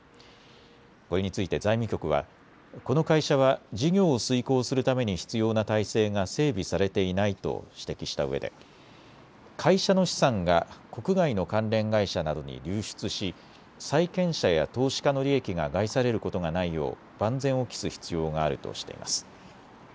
これについて財務局はこの会社は事業を遂行するために必要な体制が整備されていないと指摘したうえで会社の資産が国外の関連会社などに流出し、債権者や投資家の利益が害されることがないよう万全を期す必要があるとしています。